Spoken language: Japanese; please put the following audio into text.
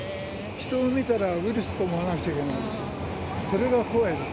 人を見たらウイルスと思わなくちゃいけないでしょ、それが怖いです。